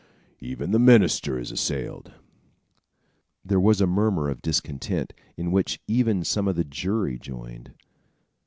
Even the minister is assailed." There was a murmur of discontent, in which even some of the jury joined.